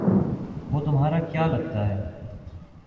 وہ تمہارا کیا لگتا ہے